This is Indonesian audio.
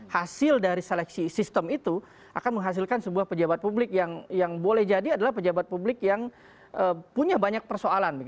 hasil dari seleksi sistem itu akan menghasilkan sebuah pejabat publik yang boleh jadi adalah pejabat publik yang punya banyak persoalan